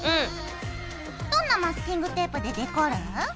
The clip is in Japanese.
どんなマスキングテープでデコる？